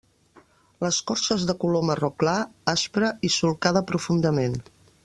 L'escorça és de color marró clar, aspra i solcada profundament.